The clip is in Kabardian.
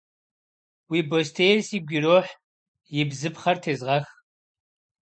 Уи бостейр сигу ирохь, и бзыпхъэр тезгъэх.